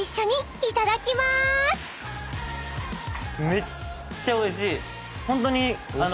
めっちゃおいしい！